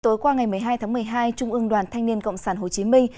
tối qua ngày một mươi hai tháng một mươi hai trung ương đoàn thanh niên cộng sản hồ chí minh